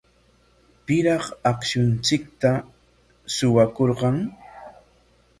¿Piraq akshunchikta suwakurqan?